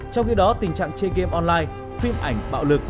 trong khi đó tình trạng chơi game online phim ảnh bạo lực